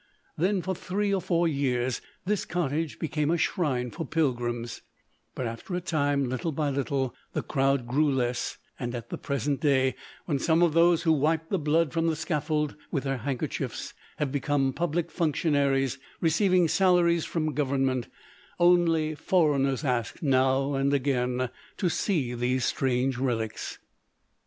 Then for three or four years this cottage became a shrine for pilgrims; but after a time, little by little, the crowd grew less, and at the present day, when some of those who wiped the blood from the scaffold with their handkerchiefs have became public functionaries, receiving salaries from Government, only foreigners ask, now and again, to see these strange relics.